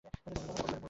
আমাদের পরিবারের মূল।